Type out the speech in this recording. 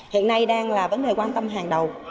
hiện nay đang là vấn đề quan tâm hàng đầu